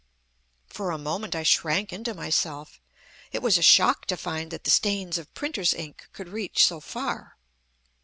For a moment I shrank into myself. It was a shock to find that the stains of printers' ink could reach so far.